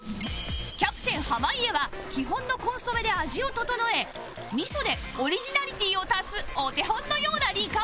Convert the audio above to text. キャプテン濱家は基本のコンソメで味を調え味噌でオリジナリティーを足すお手本のようなリカバリー